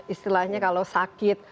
istilahnya kalau sakit